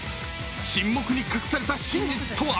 沈黙に隠された真実とは？